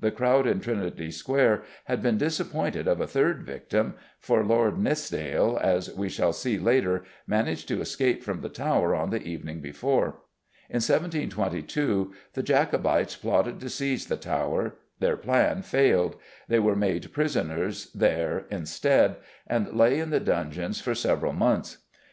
The crowd in Trinity Square had been disappointed of a third victim, for Lord Nithsdale, as we shall see later, managed to escape from the Tower on the evening before. In 1722 the Jacobites plotted to seize the Tower; their plan failed; they were made prisoners there instead, and lay in the dungeons for several months.